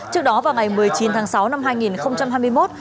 trước đó vào ngày một mươi chín tháng sáu năm hai nghìn hai mươi một